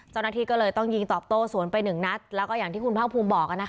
เจ้าหน้าที่ก็เลยต้องยิงตอบโต้สวนไปหนึ่งนัดแล้วก็อย่างที่คุณภาคภูมิบอก